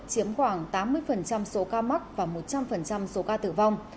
chiếm khoảng tám mươi số ca mắc và một trăm linh số ca tử vong